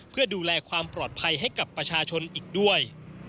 เพื่อดูแลความปลอดภัยให้กับประชาชนอีกด้วย